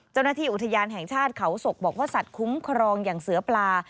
เจ้าหน้าที่อุทยานแห่งชาติเขาศกบอกว่าสัตว์คุ้มครองอย่างเสือปลา